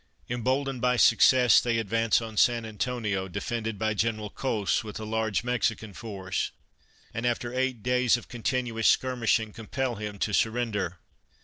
Emboldened by success, they advance on San Antonio, defended by General Cos with a large Mex ican force, and after eight days of continuous skir mishing compel him to surrender.